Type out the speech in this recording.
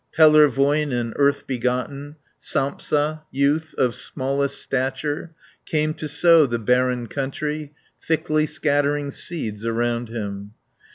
Pellervoinen, earth begotten, Sampsa, youth of smallest stature, Came to sow the barren country, Thickly scattering seeds around him.